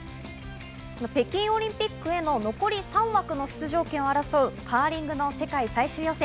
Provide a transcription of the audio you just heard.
北京オリンピックへの残り３枠の出場権を争うカーリングの世界最終予選。